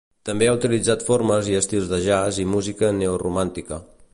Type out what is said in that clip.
També ha utilitzat formes i estils de jazz i música neoromàntica.